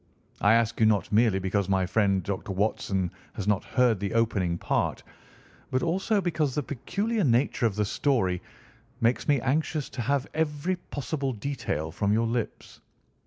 I ask you not merely because my friend Dr. Watson has not heard the opening part but also because the peculiar nature of the story makes me anxious to have every possible detail from your lips.